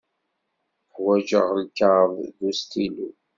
Ḥwaǧeɣ lkaɣeḍ d ustilu.